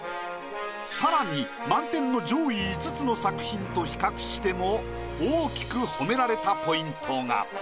さらに満点の上位５つの作品と比較しても大きく褒められたポイントが。